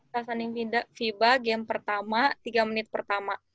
pas tanding fiba game pertama tiga menit pertama